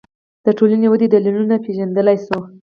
د ټولنې ودې دلیلونه پېژندلی شو